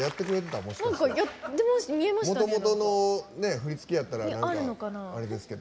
もともとの振り付けやったらあれですけど。